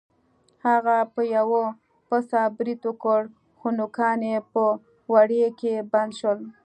هغه په یو پسه برید وکړ خو نوکان یې په وړۍ کې بند شول.